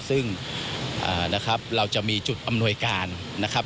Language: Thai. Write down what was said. ซึ่งนะครับเราจะมีจุดอำนวยการนะครับ